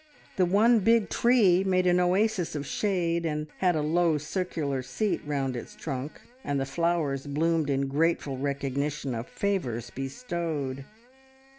The one big tree made an oasis of shade, and had a low circular seat round its trunk, and the flowers bloomed in grateful recognition of favours bestowed.